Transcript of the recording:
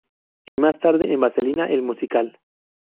Y más tarde en vaselina el musical.